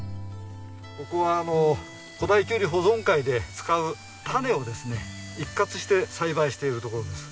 ここはあの古太きゅうり保存会で使う種をですね一括して栽培している所です。